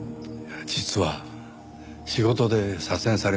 実は仕事で左遷されましてね。